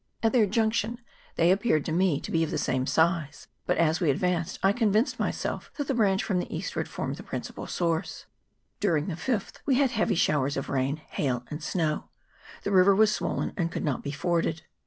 At their junction they appeared to me to be of the same size, but as we advanced I convinced myself that the branch from the eastward formed the principal source. During the 5th we had heavy showers of rain, hail, and snow ; the river was swollen and could not be forded.